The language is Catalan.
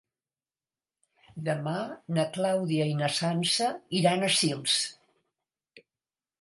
Demà na Clàudia i na Sança iran a Sils.